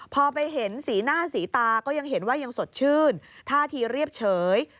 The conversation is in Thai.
พอไปเห็นสีหน้าสีตาก็ยังเห็นว่ายังสดชื่นท่าทีเรียบเฉย